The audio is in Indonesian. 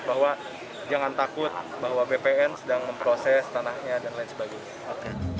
bahwa jangan takut bahwa bpn sedang memproses tanahnya dan lain sebagainya